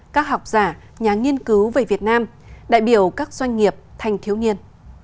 các học giả nhà nghiên cứu về việt nam đại biểu các doanh nghiệp thanh thiếu niên